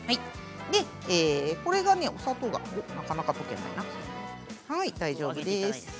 これが、お砂糖がなかなか大丈夫です。